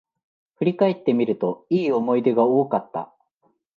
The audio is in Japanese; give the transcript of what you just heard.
振り返ってみると、良い思い出が多かった